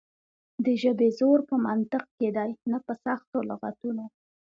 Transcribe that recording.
د ژبې زور په منطق کې دی نه په سختو لغتونو.